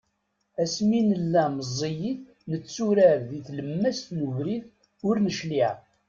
Asmi nella meẓẓiyit netturar di tlemmast n ubrid, ur necliε.